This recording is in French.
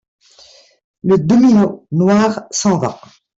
Le domino noir s'en va.